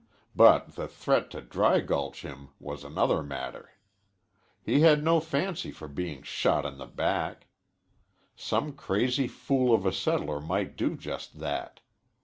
But the threat to dry gulch him was another matter. He had no fancy for being shot in the back. Some crazy fool of a settler might do just that.